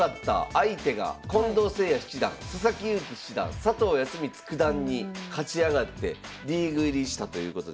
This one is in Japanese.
相手が近藤誠也七段佐々木勇気七段佐藤康光九段に勝ち上がってリーグ入りしたということで。